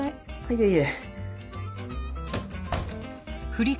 いえいえ。